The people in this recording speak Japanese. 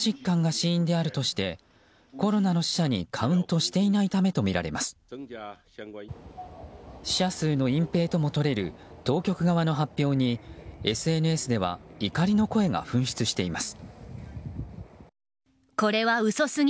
死者数の隠蔽ともとれる当局側の発表にＳＮＳでは怒りの声が噴出しています。